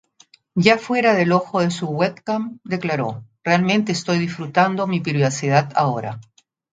Ya fuera del ojo de su webcam, declaró:"Realmente estoy disfrutando mi privacidad ahora.